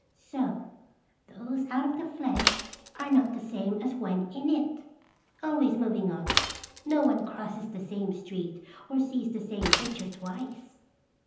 So those out of the flesh are not the same as when in it. Always moving on, no one crosses the same stream or sees the same picture twice."